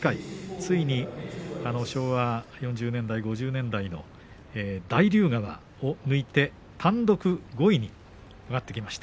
ついに昭和４０年代、５０年代の大竜川を抜いて単独５位に上がってきました。